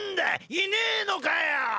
いねぇのかよ